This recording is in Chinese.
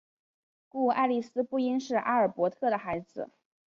故爱丽丝不应是阿尔伯特的孩子。